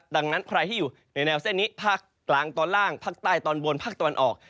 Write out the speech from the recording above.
ดังนั้นใครที่อยู่ในแนวเส้นนี้ภาคกลางตอนล่างภาคใต้ตอนบนภาคตะวันออก